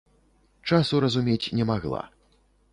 Часу разумець не магла.